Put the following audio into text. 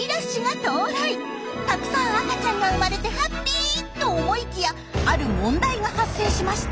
たくさん赤ちゃんが生まれてハッピー！と思いきやある問題が発生しました。